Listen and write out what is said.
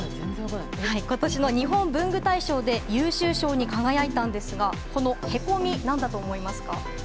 今年の日本文具大賞で優秀賞に輝いたんですがこのへこみなんだと思いますか？